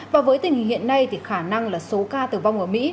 và với tình hình hiện nay thì khả năng là số ca tử vong ở mỹ